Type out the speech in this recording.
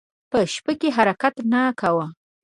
په شپه کې حرکت نه کاوه.